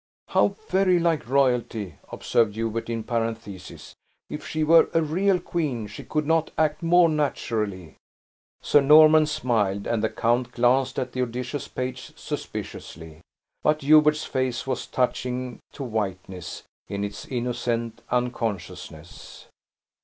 "How very like royalty!" observed Hubert, in parenthesis. "If she were a real queen, she could not act more naturally." Sir Norman smiled, and the count glanced at the audacious page, suspiciously; but Hubert's face was touching to witness, in its innocent unconsciousness.